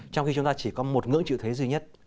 trong khi chúng ta chỉ có một ngưỡng trữ thuế duy nhất